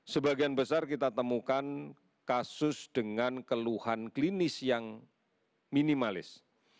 sebagian besar kita temukan kasus dengan keluhan klinis yang minimalis